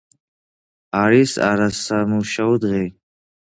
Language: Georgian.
არის არასამუშაო დღე.